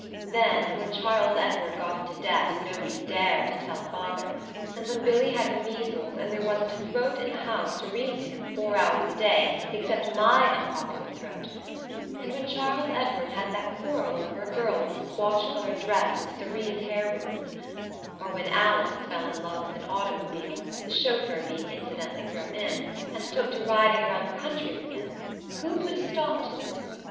Then when Charles Edward got into debt and nobody dared to tell father; and when Billy had the measles and there wasn't a throat in the house to read to him four hours a day except my unpopular throat; and when Charles Edward had that quarrel over a girl with a squash colored dress and cerise hair ribbons; or when Alice fell in love with an automobile, the chauffeur being incidentally thrown in, and took to riding around the country with him who put a stop to it?